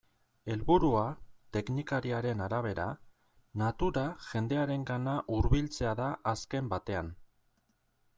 Helburua, teknikariaren arabera, natura jendearengana hurbiltzea da azken batean.